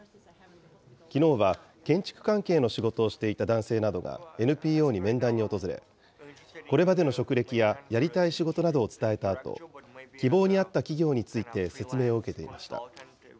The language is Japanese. きのうは建築関係の仕事をしていた男性などが、ＮＰＯに面談に訪れ、これまでの職歴ややりたい仕事などを伝えたあと、希望に合った企業について説明を受けていました。